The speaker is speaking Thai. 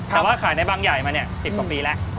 แต่ว่าขายในบังใหญ่มาเนี่ยสิบกว่าปีแล้ว